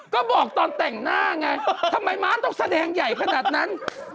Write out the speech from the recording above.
ก็บอกตอนแต่งหน้าไงทำไมม้านต้องแสดงใหญ่ขนาดนั้น